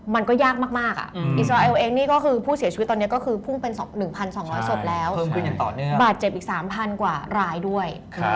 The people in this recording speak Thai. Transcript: มันก็ยากมากอิสราเอลเองนี่ก็คือผู้เสียชีวิตตอนนี้ก็คือพุ่งเป็น๑๒๐๐ศพแล้วบาดเจ็บอีก๓๐๐กว่ารายด้วย